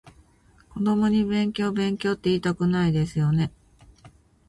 子供に勉強勉強っていいたくないですよね？